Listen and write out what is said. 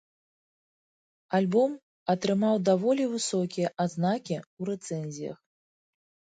Альбом атрымаў даволі высокія адзнакі ў рэцэнзіях.